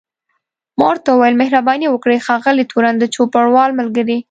ما ورته وویل مهرباني وکړئ ښاغلی تورن، د چوپړوال ملګری.